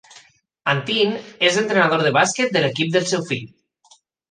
Antin és entrenador de bàsquet de l'equip del seu fill.